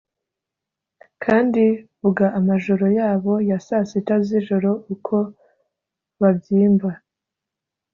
kandi vuga amajoro yabo ya saa sita z'ijoro uko babyimba;